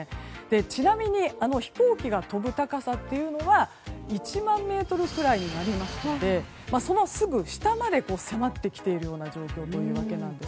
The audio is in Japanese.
ちなみに飛行機が飛ぶ高さというのは１万ｍくらいになりますのでそのすぐ下まで迫ってきている状況というわけです。